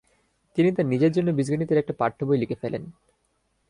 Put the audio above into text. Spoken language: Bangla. তিনি তার নিজের জন্য বীজগণিতের একটা পাঠ্যবই লিখে ফেলেন।